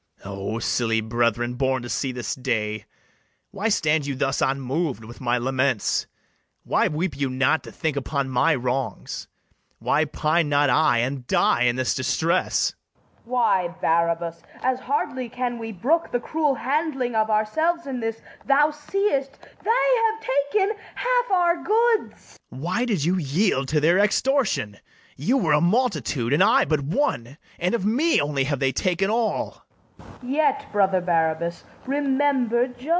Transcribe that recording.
O silly brethren, born to see this day, Why stand you thus unmov'd with my laments? Why weep you not to think upon my wrongs? Why pine not I, and die in this distress? FIRST JEW. Why, Barabas, as hardly can we brook The cruel handling of ourselves in this: Thou seest they have taken half our goods. BARABAS. Why did you yield to their extortion? You were a multitude, and I but one; And of me only have they taken all.